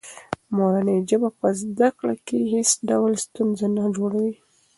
مورنۍ ژبه په زده کړه کې هېڅ ډول ستونزه نه جوړوي.